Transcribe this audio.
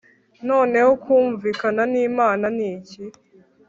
Noneho kumvikana n'Imana n'iki?